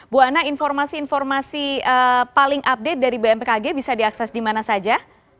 bu ana informasi informasi paling update dari bmkg bisa diakses di mana saja